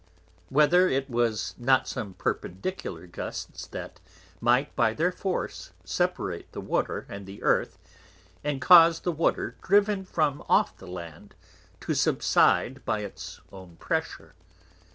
Whether it was not some perpendicular Gusts that might by their Force separate the Water and the Earth, and cause the Water driven from off the Land to subside by its own Pressure.